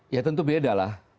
ya tentu beda lah